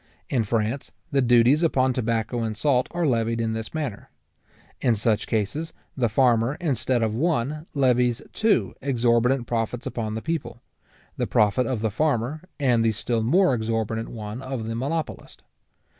In France, the duties upon tobacco and salt are levied in this manner. In such cases, the farmer, instead of one, levies two exorbitant profits upon the people; the profit of the farmer, and the still more exorbitant one of the monopolist.